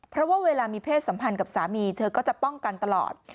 เพราะว่าเวลามีเพศสัมพันธ์กับสามีเธอก็จะป้องกันตลอด